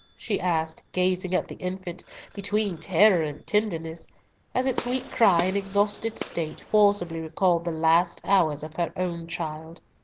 she asked, gazing at the infant between terror and tenderness, as its weak cry and exhausted state forcibly recalled the last hours of her own child.